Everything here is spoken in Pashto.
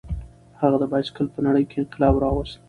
هغه د بایسکل په نړۍ کې انقلاب راوست.